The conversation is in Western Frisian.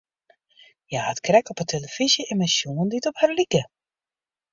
Hja hat krekt op 'e telefyzje immen sjoen dy't op har like.